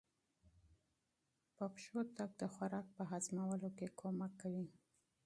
پیاده تګ د خوراک په هضمولو کې مرسته کوي.